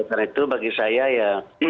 karena itu bagi saya ya